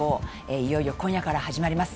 いよいよ今夜から始まります。